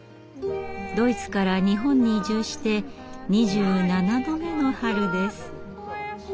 ドイツから日本に移住して２７度目の春です。